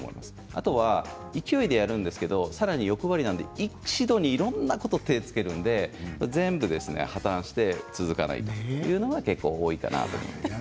あとは勢いでやるんですけれどもさらに欲張りなので一度にいろいろなことに手をつけるので、全部破綻して続かないのが結構多いかな。